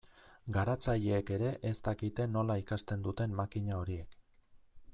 Garatzaileek ere ez dakite nola ikasten duten makina horiek.